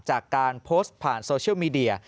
จากการโพสต์ผ่านโซเชียลมีเดีย